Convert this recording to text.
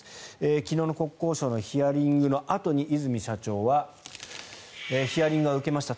昨日の国交省のヒアリングのあとに和泉社長はヒアリングは受けました